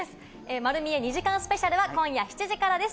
『まる見え！』２時間スペシャルは今夜７時からです。